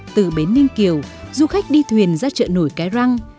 từ bến ninh kiều du khách đi thuyền ra chợ nổi cái răng